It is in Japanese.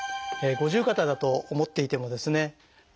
五十肩だと思っていてもですね